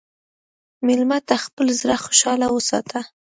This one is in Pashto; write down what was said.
مېلمه ته خپل زړه خوشحال وساته.